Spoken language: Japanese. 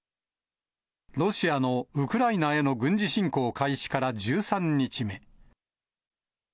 ロシアのウクライナへの軍事侵攻開始から１３日目。